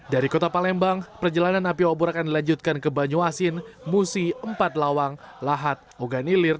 dari kota palembang perjalanan api obor akan dilanjutkan ke banyuasin musi empat lawang lahat oganilir